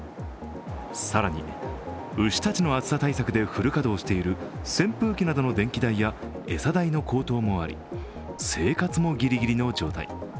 更に牛たちの暑さ対策でフル稼働している扇風機などの電気代や餌代の高騰もあり、生活もぎりぎりの状態。